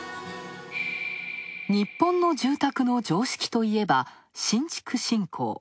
日本の住宅の常識といえば、新築信仰。